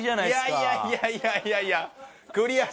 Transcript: いやいやいやいやいやいや。